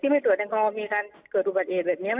ที่ไม่ตรวจแดงกอมมีการเกิดอุบัติเอจแบบนี้